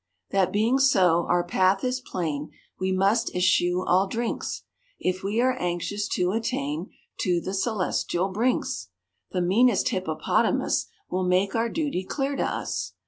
= That being so, our path is plain, `We must eschew all drinks; If we are anxious to attain `To the celestial brinks, The meanest Hippopotamus Will make our duty clear to us.